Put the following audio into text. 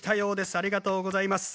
ありがとうございます。